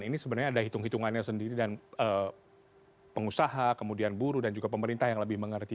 ini sebenarnya ada hitung hitungannya sendiri dan pengusaha kemudian buruh dan juga pemerintah yang lebih mengerti